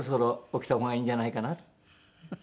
「起きた方がいいんじゃないかな」